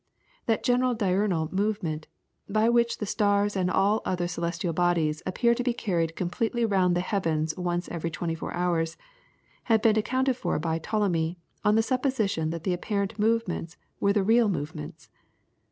That general diurnal movement, by which the stars and all other celestial bodies appear to be carried completely round the heavens once every twenty four hours, had been accounted for by Ptolemy on the supposition that the apparent movements were the real movements.